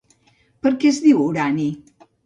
Per què es diu urani?